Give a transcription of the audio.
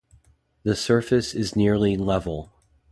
The surface is nearly level.